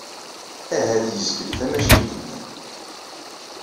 Ahat yezgel tamacint-nni.